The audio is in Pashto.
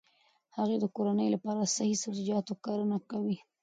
هغه د کورنۍ لپاره د صحي سبزیجاتو کرنه کوي.